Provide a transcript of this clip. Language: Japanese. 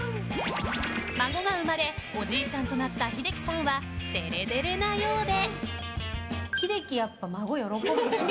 孫が生まれおじいちゃんとなった英樹さんはでれでれなようで。